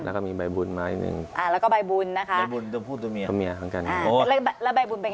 แล้วก็มีใบบุญมาอีกนึง